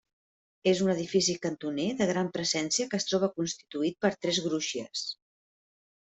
És un edifici cantoner de gran presència que es troba constituït per tres crugies.